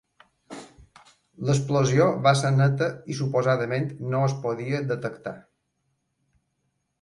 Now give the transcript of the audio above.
L'explosió va ser neta i suposadament no es podia detectar.